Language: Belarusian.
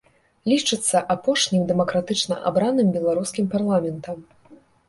Лічыцца апошнім дэмакратычна абраным беларускім парламентам.